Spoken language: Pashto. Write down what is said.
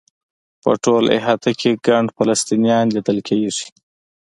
په ټوله احاطه کې ګڼ فلسطینیان لیدل کېږي.